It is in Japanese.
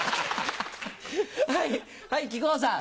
はい木久扇さん。